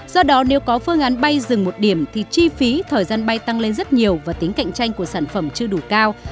do đó nếu có phương án bay dừng một điểm thì chi phí thời gian bay tăng lên rất nhiều và tính cạnh tranh của sản phẩm chưa đủ cao